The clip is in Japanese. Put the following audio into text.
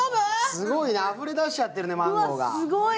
すごいね、あふれ出しちゃってるね、マンゴーが。